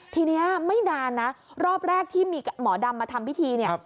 ทีนี้ไม่นานนะรอบแรกที่มีหมอดำมาทำพิธีเนี่ย